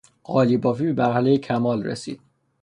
قالیبافی به مرحلهی کمال رسید.